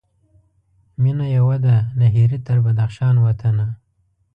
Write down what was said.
مېنه یوه ده له هري تر بدخشان وطنه